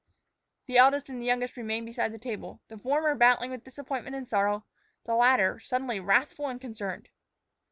The eldest and the youngest remained beside the table, the former battling with disappointment and sorrow, the latter suddenly wrathful and concerned.